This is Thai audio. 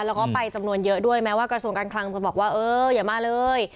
แล้วก็ไปจำนวนเยอะด้วยแม้ว่ากระทรวงการคลังจะบอกว่าเอออย่ามาเลย